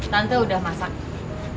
tante udah masak